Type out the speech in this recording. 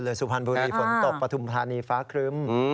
โดยสุพรรณบุรีฝนตกประธุมภรรณีฟ้าครึ้ม